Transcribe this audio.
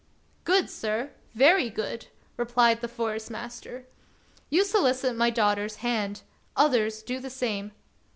"Good, sir; very good!" replied the Forest master. "You solicit my daughter's hand ; others do the same.